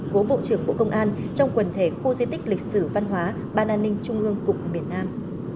cố bộ trưởng bộ công an trong quần thể khu di tích lịch sử văn hóa ban an ninh trung ương cục miền nam